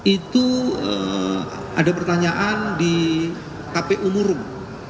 itu ada pertanyaan di kpu murung